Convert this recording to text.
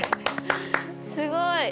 すごい！